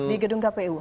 oh di gedung kpu